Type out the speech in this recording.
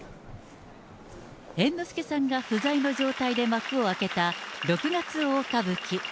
猿之助さんが不在の状態で幕を開けた六月大歌舞伎。